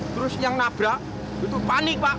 terus yang nabrak itu panik pak